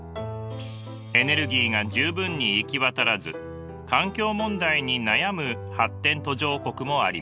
エネルギーが十分に行き渡らず環境問題に悩む発展途上国もあります。